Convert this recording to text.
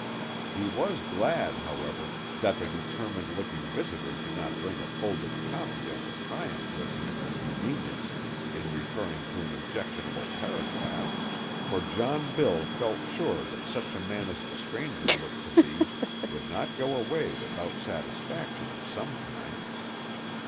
He was glad, however, that the determined looking visitor did not bring a folded copy of the Triumph with him for convenience in referring to an objectionable paragraph; for John Bill felt sure that such a man as the stranger looked to be would not go away without satisfaction of some kind.